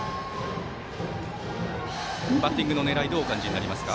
バッティングの狙いどう感じますか？